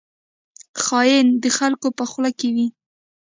خاین د خلکو په خوله کې وي